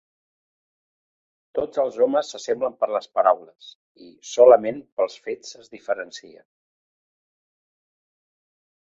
Tots els homes s'assemblen per les paraules, i solament pels fets es diferencien.